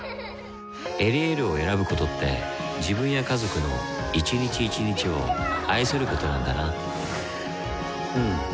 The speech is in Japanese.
「エリエール」を選ぶことって自分や家族の一日一日を愛することなんだなうん。